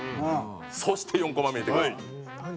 そして４コマ目見てください。